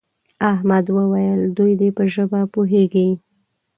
احمد وویل دوی دې په ژبه پوهېږي.